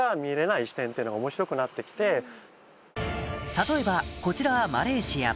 例えばこちらはマレーシア